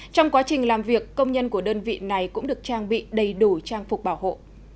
trong quá trình làm việc công nhân của đơn vị này cũng được trang bị đầy đủ trang phục bảo hộ